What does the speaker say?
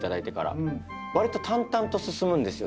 わりと淡々と進むんですよ